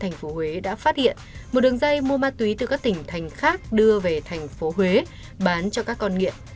thành phố huế đã phát hiện một đường dây mua ma túy từ các tỉnh thành khác đưa về thành phố huế bán cho các con nghiện